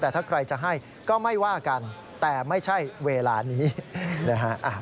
แต่ถ้าใครจะให้ก็ไม่ว่ากันแต่ไม่ใช่เวลานี้นะฮะ